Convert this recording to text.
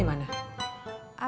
anya ke